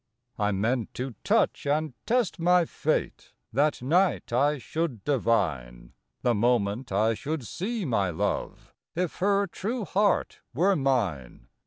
I meant to touch and test my fate; That night I should divine, The moment I should see my love, If her true heart were mine.